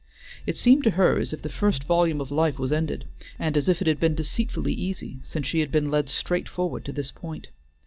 It seemed to her as if the first volume of life was ended, and as if it had been deceitfully easy, since she had been led straight forward to this point.